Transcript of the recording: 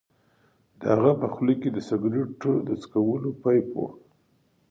د هغه په خوله کې د سګرټ څکولو پایپ و